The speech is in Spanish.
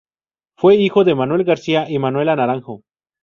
Fue hijo de Manuel García y Manuela Naranjo.